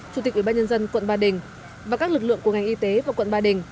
chủ tịch ubnd quận ba đình và các lực lượng của ngành y tế và quận ba đình